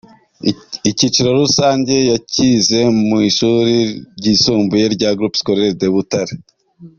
Icyiciro rusange yacyize mu ishuri ryisumbuye rya Group Scolaire de Butare .